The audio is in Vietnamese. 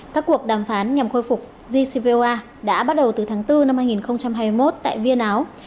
các cuộc đàm phán nhằm khôi phục gcpoa đã bắt đầu từ tháng bốn năm hai nghìn hai mươi một tại viên áo